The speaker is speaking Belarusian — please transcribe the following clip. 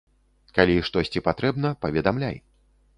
Калі штосьці патрэбна, паведамляй.